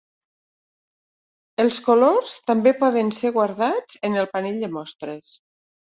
Els colors també poden ser guardats en el panell de mostres.